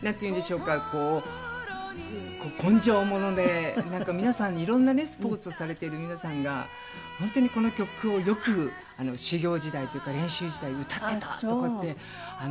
こう根性もので皆さんにいろんなねスポーツをされてる皆さんが本当にこの曲をよく修業時代というか練習時代に歌ってたとかって言っていただいて。